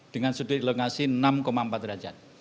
dengan sudut elongasi enam empat derajat